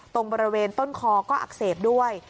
ตรงบริเวณต้นคอก็อักเสบด้วย